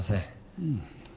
うん。